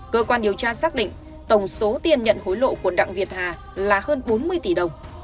cơ quan điều tra xác định tổng số tiền nhận hối lộ của đặng việt hà là hơn bốn mươi tỷ đồng